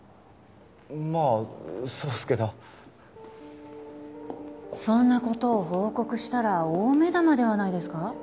まあそうっすけどそんなことを報告したら大目玉ではないですか？